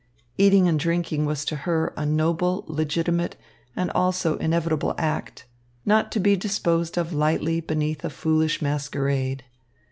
Eating and drinking was to her a noble, legitimate and also inevitable act, not to be disposed of lightly beneath a foolish masquerade.